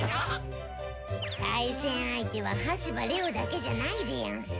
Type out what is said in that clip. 対戦相手は羽柴レオだけじゃないでヤンス。